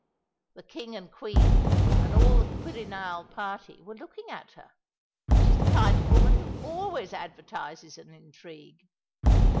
The King and Queen and all the Quirinal party were looking at her. She is the kind of woman who always advertises an intrigue.